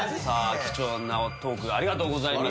貴重なトークありがとうございました。